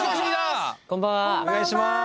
お願いします